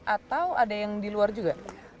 atau ada yang di luar juga